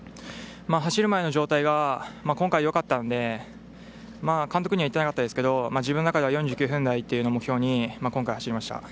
走る前の状態が今回よかったので監督には言ってなかったですが自分の中では４９分台を目標に今回、走りました。